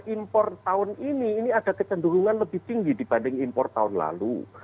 impor tahun ini ini ada kecenderungan lebih tinggi dibanding impor tahun lalu